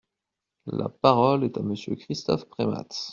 La parole est à Monsieur Christophe Premat.